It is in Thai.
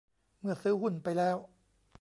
เมื่อซื้อหุ้นไปแล้ว